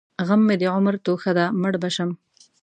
غم مې د عمر توښه ده؛ مړ به شم.